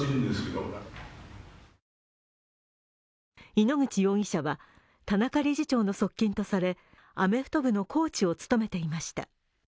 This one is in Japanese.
井ノ口容疑者は、田中理事長の側近とされアメフト部のコーチを務めていました。